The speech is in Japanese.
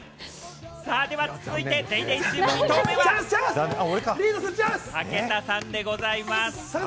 続いてＤａｙＤａｙ．チーム、２投目は武田さんでございます。